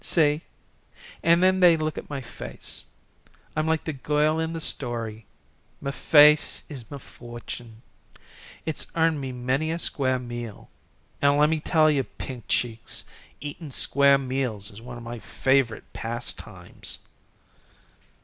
See? An' then they look at my face. I'm like the girl in the story. Muh face is muh fortune. It's earned me many a square meal; an' lemme tell you, Pink Cheeks, eatin' square meals is one of my favorite pastimes."